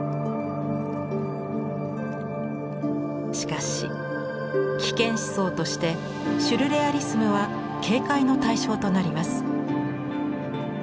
しかし危険思想としてシュルレアリスムは警戒の対象となります。